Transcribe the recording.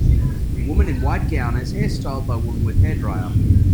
Woman in white gown has hair styled by woman with hair dryer.